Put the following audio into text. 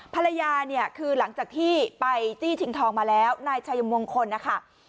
ภรรยาเนี่ยคือหลังจากที่ไปจี้ชิงทองมาแล้วนายชายมงคลนะคะ